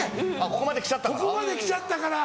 ここまで来ちゃったから。